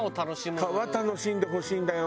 皮楽しんでほしいんだよ。